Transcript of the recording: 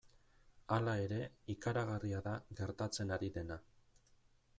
Hala ere, ikaragarria da gertatzen ari dena.